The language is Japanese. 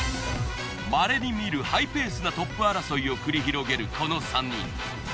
まれにみるハイペースなトップ争いを繰り広げるこの３人。